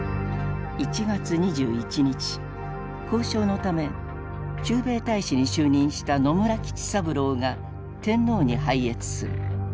交渉のため駐米大使に就任した野村吉三郎が天皇に拝謁する。